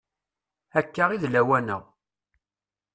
Akka i d lawan-a.